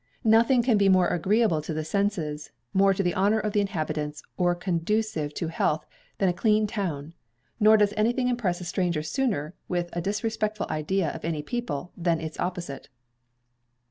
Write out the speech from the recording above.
Nothing can be more agreeable to the senses, more to the honour of the inhabitants, or conducive to their health, than a clean town; nor does anything impress a stranger sooner with a disrespectful idea of any people than its opposite.